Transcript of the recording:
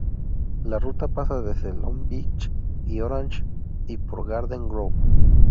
La ruta pasa desde Long Beach y Orange y por Garden Grove.